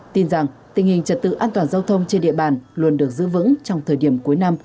tin rằng tình hình trật tự an toàn giao thông trên địa bàn luôn được giữ vững trong thời điểm cuối năm